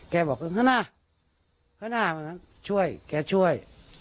แกบอกเขาน่ามาช่วยแกช่วย